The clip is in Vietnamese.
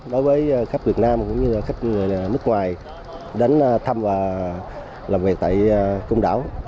đối với khách việt nam cũng như khách người nước ngoài đến thăm và làm việc tại công đảo